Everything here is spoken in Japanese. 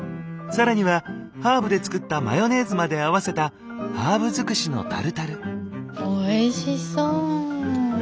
更にはハーブで作ったマヨネーズまで合わせたハーブづくしのタルタル。